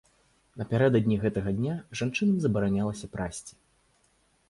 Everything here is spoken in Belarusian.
Напярэдадні гэтага дня жанчынам забаранялася прасці.